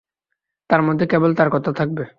তার মধ্যে কেবল তাঁর কথা থাকবে।